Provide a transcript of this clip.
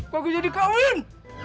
kok jadi kawin